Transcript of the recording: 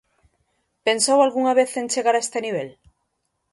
Pensou algunha vez en chegar a este nivel?